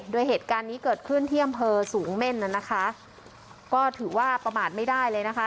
โดยเหตุการณ์นี้เกิดขึ้นที่อำเภอสูงเม่นน่ะนะคะก็ถือว่าประมาทไม่ได้เลยนะคะ